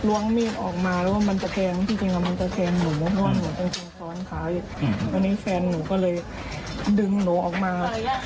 วันนี้แฟนหนูก็เลยดึงหนูออกมา